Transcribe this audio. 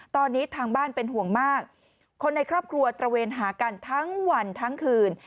ตอนนี้ทางบ้านเป็นห่วงมากคนในครอบครัวตระเวนหากันทั้งวันทั้งคืน